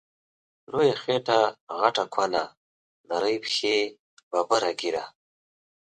لويه خيټه غټه کونه، نرۍ پښی ببره ږيره